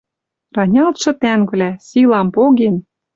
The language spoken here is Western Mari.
Ранялтшы тӓнгвлӓ, силам поген